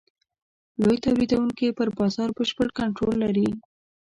لوی تولیدوونکي پر بازار بشپړ کنټرول لري.